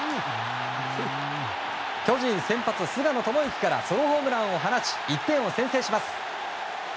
巨人先発、菅野智之からソロホームランを放ち１点を先制します。